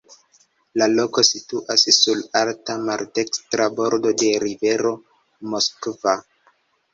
La loko situas sur alta maldekstra bordo de rivero Moskva.